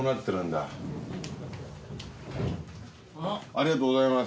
ありがとうございます。